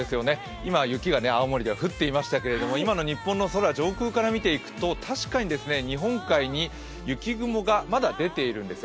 今、雪が青森では降っていましたけれども今の日本の空、上空から見ていくと、確かに日本海に雪雲がまだ出ているんですよ。